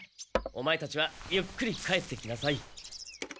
オマエたちはゆっくり帰ってきなさい。